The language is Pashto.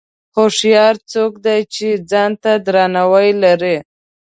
هوښیار څوک دی چې ځان ته درناوی لري.